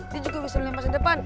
dia juga bisa melepas depan